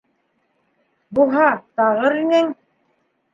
Буһа, тағыр инең!